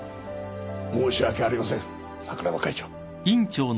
申し訳ありません桜庭会長。